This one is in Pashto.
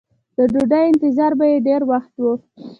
د ډوډۍ انتظام به یې ډېر ښه و.